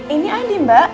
ini adi mbak